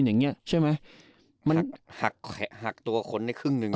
อย่างเงี้ยบรอยคีนอย่างเงี้ยใช่ไหมหักตัวคนได้ครึ่งหนึ่ง